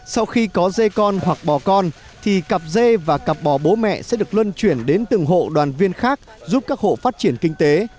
sau khi có dây con hoặc bò con thì cặp dê và cặp bò bố mẹ sẽ được luân chuyển đến từng hộ đoàn viên khác giúp các hộ phát triển kinh tế